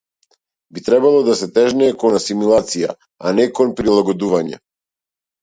Би требало да се тежнее кон асимилација, а не кон прилагодување.